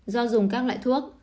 do dùng các loại thuốc